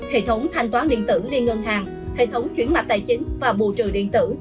hệ thống thanh toán điện tử liên ngân hàng hệ thống chuyển mạch tài chính và bù trừ điện tử